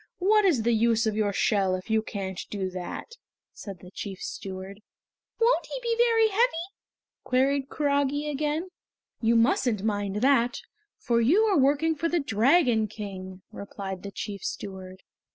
What is the use of your shell if you can't do that!" said the chief steward. "Won't he be very heavy?" queried kurage again. "You mustn't mind that, for you are working for the Dragon King!" replied the chief steward.